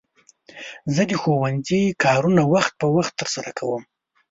زه د ښوونځي کارونه وخت په وخت ترسره کوم.